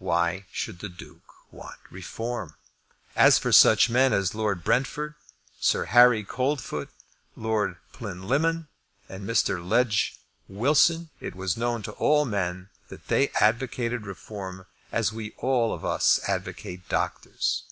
Why should the Duke want Reform? As for such men as Lord Brentford, Sir Harry Coldfoot, Lord Plinlimmon, and Mr. Legge Wilson, it was known to all men that they advocated Reform as we all of us advocate doctors.